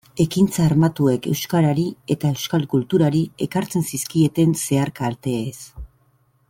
Ekintza armatuek euskarari eta euskal kulturari ekartzen zizkieten zehar-kalteez.